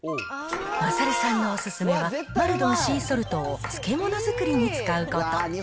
まさるさんのお勧めは、マルドンシーソルトを漬物作りに使うこと。